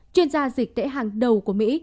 chuyên gia dịch tễ hàng đầu của mỹ